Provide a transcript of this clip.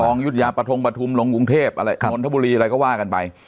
อรุณยุธยาปฐมปภุมยุคนย์ลงกรุงเทพฯมนุษย์ทบุรีอะไรก็ว่ากันไป